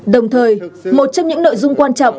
đồng thời một trong những nội dung quan trọng